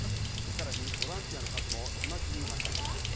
さらにボランティアの数も日増しにましてきています。